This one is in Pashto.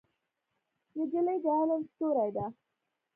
نجلۍ د علم ستورې ده.